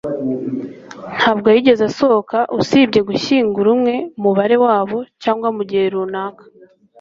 ntabwo yigeze asohoka usibye gushyingura umwe mubare wabo, cyangwa mugihe runaka